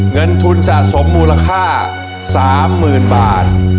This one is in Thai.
เงินทุนสะสมมูลค่าสามหมื่นบาท